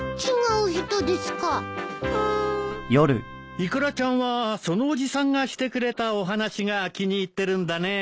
イクラちゃんはそのおじさんがしてくれたお話が気に入ってるんだねえ。